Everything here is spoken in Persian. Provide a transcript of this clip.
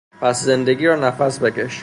پس زندگی را نفس بکش.